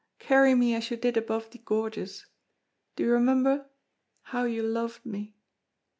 Carry me as you did above the gorges. Do you remember? how you loved me!"